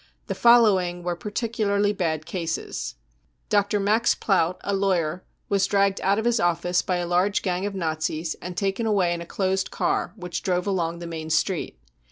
The following were particularly bad cases : j " Dr. Max Plant, a lawyer, was dragged out of his office by a large gang of Nazis and taken away in a closed car which drove along the main street.